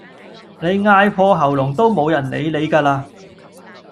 你嗌破喉嚨都無人理你咖啦